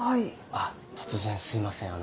あっ突然すいません